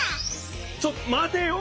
ちょっとまてよ！